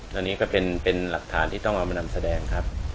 อันนี้ก็เป็นหลักฐานที่ต้องเอามานำแสดงครับ